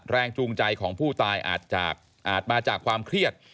แรงจูงใจของผู้ตายอาจมาจากความเครียด